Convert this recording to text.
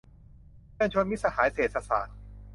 เชิญชวนมิตรสหายเศรษฐศาสตร์